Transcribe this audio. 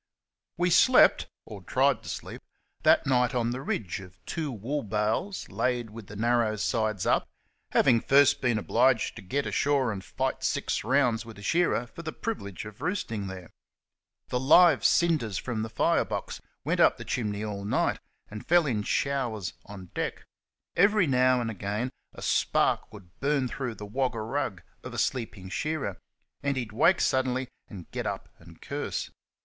We slept, or tried to sleep, that night on the ridge of two wool bales laid with the narrow sides up, having first been obliged to get ashore and fight six rounds with a shearer for the privilege of roosting there. The live cinders from the firebox went up the chimney all night, and fell in showers on deck. Every now and again a spark would burn through the "Wagga rug" of a sleeping shearer, and he'd wake suddenly and get up and curse.